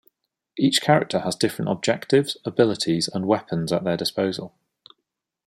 Each character has different objectives, abilities and weapons at their disposal.